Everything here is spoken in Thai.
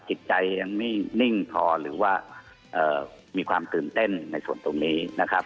จิตใจยังนิ่งพอหรือว่ามีความตื่นเต้นในส่วนตรงนี้นะครับ